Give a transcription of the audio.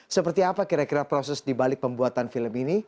seperti apa kira kira proses dibalik pembuatan film ini